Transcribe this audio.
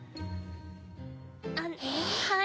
あっはい。